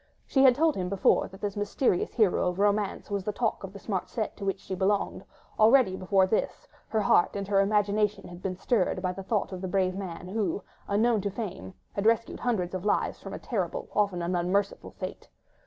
She had told him before that this mysterious hero of romance was the talk of the smart set to which she belonged; already, before this, her heart and her imagination had been stirred by the thought of the brave man, who, unknown to fame, had rescued hundreds of lives from a terrible, often an unmerciful fate.